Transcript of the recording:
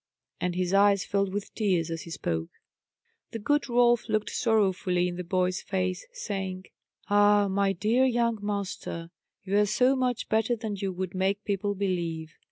And his eyes filled with tears as he spoke. The good Rolf looked sorrowfully in the boy's face, saying, "Ah, my dear young master, you are so much better than you would make people believe.